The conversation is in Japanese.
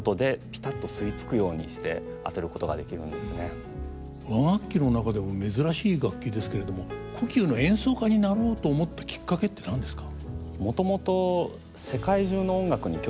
なので和楽器の中でも珍しい楽器ですけれども胡弓の演奏家になろうと思ったきっかけって何ですか？